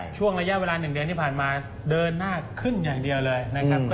ช่วงระยะเวลา๑เดือนที่ผ่านมาเดินหน้าขึ้นอย่างเดียวเลยนะครับ